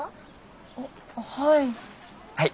あっはい。